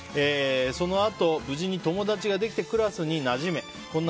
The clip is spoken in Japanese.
そのあと、無事に友達ができてクラスに馴染めこんな